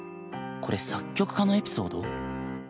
これ作曲家のエピソード？